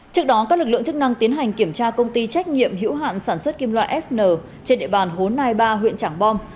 trước đó các lực lượng chức năng tiến hành kiểm tra công ty trách nhiệm hữu hạn sản xuất kim loại fn trên địa bàn hố nai ba huyện trảng bom